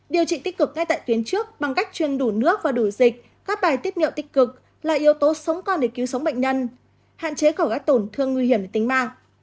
điều trị tích cực ngay tại tuyến trước bằng cách chuyên đủ nước và đủ dịch các bài tiếp nhận tích cực là yếu tố sống con để cứu sống bệnh nhân hạn chế cả các tổn thương nguy hiểm tính mạng